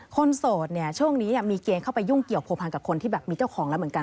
โสดเนี่ยช่วงนี้มีเกณฑ์เข้าไปยุ่งเกี่ยวผัวพันกับคนที่แบบมีเจ้าของแล้วเหมือนกัน